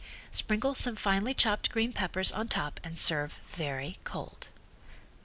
Sprinkle some finely chopped green peppers on top and serve very cold.